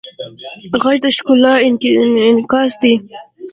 غږ د ښکلا انعکاس دی